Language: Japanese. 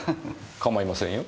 構いませんよ。